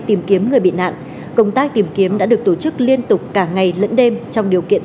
tìm kiếm người bị nạn công tác tìm kiếm đã được tổ chức liên tục cả ngày lẫn đêm trong điều kiện